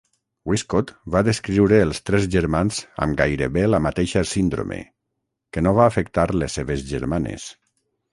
Wiskott va descriure els tres germans amb gairebé la mateixa síndrome, que no va afectar les seves germanes.